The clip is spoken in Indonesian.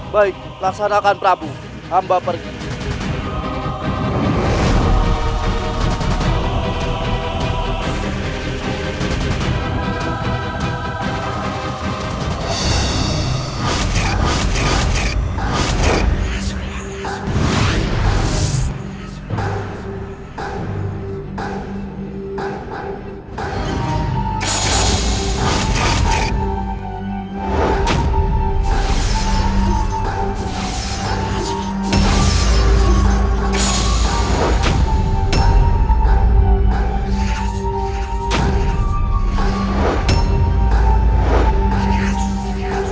baik laksanakan prabu hamba pergi